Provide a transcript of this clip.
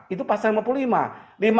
itu pasal lima puluh lima